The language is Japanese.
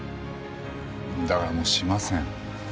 だからもうしません。